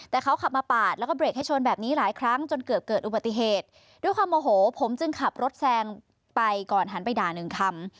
แต่เขาขับมาปาดแล้วก็เบรกให้ชนแบบนี้หลายครั้งจนเกือบเกิดอุบัติเหตุด้วยความโมโหผมจึงขับรถแซงไปก่อนหันไปด่าหนึ่งคำ